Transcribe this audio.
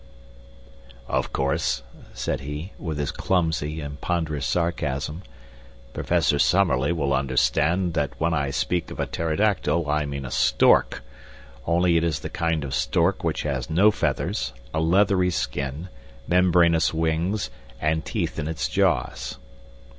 "Of course," said he, with his clumsy and ponderous sarcasm, "Professor Summerlee will understand that when I speak of a pterodactyl I mean a stork only it is the kind of stork which has no feathers, a leathery skin, membranous wings, and teeth in its jaws."